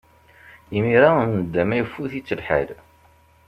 Imir-a, nndama ifut-itt lḥal.